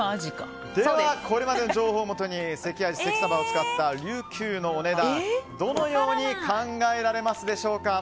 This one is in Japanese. では、これまでの情報をもとに関あじ、関さばを使ったりゅうきゅうのお値段どのように考えられるでしょうか。